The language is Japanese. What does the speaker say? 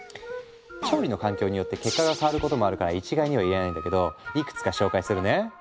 調理の環境によって結果が変わることもあるから一概には言えないんだけどいくつか紹介するね。